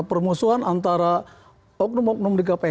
permusuhan antara oknum oknum di kpk